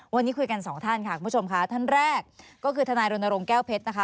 วันนี้คุยกันสองท่านค่ะคุณผู้ชมค่ะท่านแรกก็คือทนายรณรงค์แก้วเพชรนะคะ